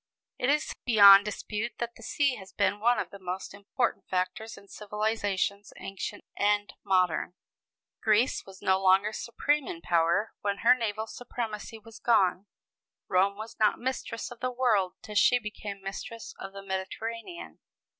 It is beyond dispute that the sea has been one of the most important factors in civilizations ancient and modern. Greece was no longer supreme in power when her naval supremacy was gone; Rome was not mistress of the world till she became mistress of the Mediterranean.